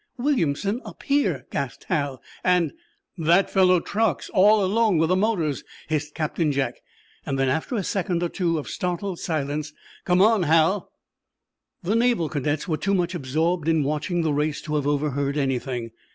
"Williamson up here!" gasped Hal. "And—" "That fellow, Truax, all alone with the motors!" hissed Captain Jack. Then, after a second or two of startled silence: "Come on, Hal!" The naval cadets were too much absorbed in watching the race to have overheard anything.